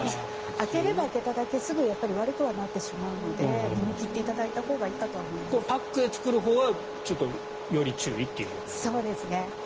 開ければ開けただけすぐ悪くはなってしまうので飲み切っていただいたほうがパックで作るほうはそうですね。